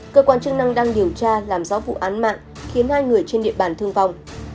cơ quan chức năng đang điều tra làm rõ vụ án mạng khiến hai người trên địa bàn thương vong